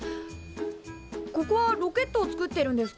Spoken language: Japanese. ここはロケットを作ってるんですか？